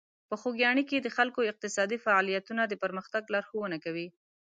په خوږیاڼي کې د خلکو اقتصادي فعالیتونه د پرمختګ لارښوونه کوي.